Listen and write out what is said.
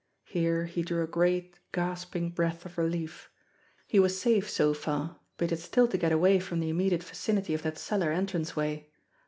Here, he drew a great, gasping breath of relief. He was safe so far, but he had still to get away from the immediate vicinity of that cellar entranceway.